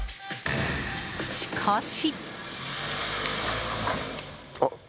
しかし。